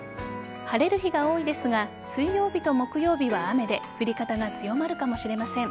晴れる日が多いですが水曜日と木曜日は雨で降り方が強まるかもしれません。